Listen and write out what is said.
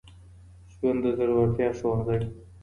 ژوند د زړورتیا ښوونځی